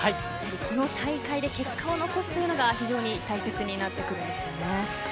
この大会で結果を残すというのが非常に大切にそうなんですよ。